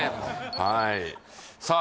はいさあ